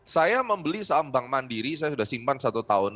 saya membeli saham bank mandiri saya sudah simpan satu tahun